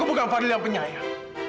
aku bukan fadil yang penyayang